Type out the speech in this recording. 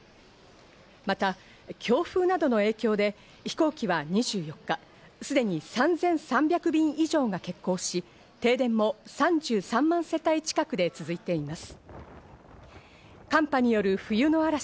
また強風などの影響で飛行機は２４日、すでに３３００便以上が欠航し、停電も３３万世帯近くで続いています。